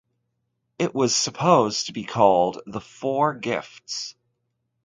It was supposed to be called The Four Gifts.